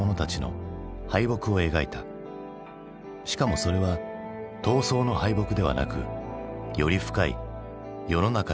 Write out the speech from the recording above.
しかもそれは闘争の敗北ではなくより深い世の中への敗北。